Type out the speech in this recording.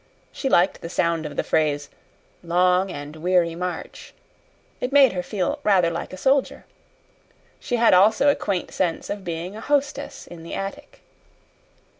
She liked the sound of the phrase, "long and weary march." It made her feel rather like a soldier. She had also a quaint sense of being a hostess in the attic.